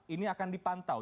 ini akan dipantau